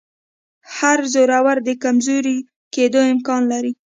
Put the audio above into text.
هر زورور د کمزوري کېدو امکان لري